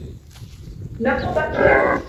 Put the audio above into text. نَمْ مُبَكِرًا.